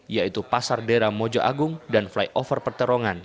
yaitu pasar dera mojo agung dan flyover perterongan